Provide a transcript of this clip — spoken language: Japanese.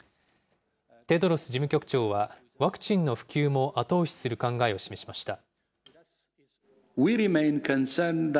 テドロス事務局長は、ワクチンの普及も後押しする考えを示しました。